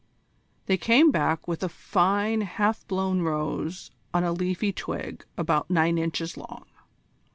They came back with a fine half blown rose on a leafy twig about nine inches long.